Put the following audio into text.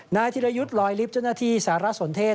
ธิรยุทธ์ลอยลิฟต์เจ้าหน้าที่สารสนเทศ